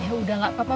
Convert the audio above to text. ya udah gak apa apa